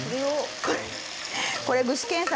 これ、具志堅さん